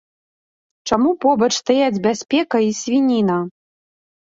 Чаму побач стаяць бяспека і свініна?